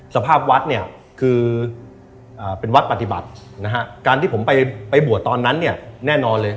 สภาพวัดเนี่ยคือเป็นวัดปฏิบัตินะฮะการที่ผมไปบวชตอนนั้นเนี่ยแน่นอนเลย